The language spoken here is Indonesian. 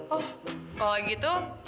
oh kalau gitu